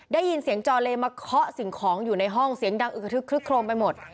ได้ยินเสียงจอเลมาเคาะสิ่งของอยู่ในห้องเสียงดังอึกกระทึกคลึกโครมไปหมด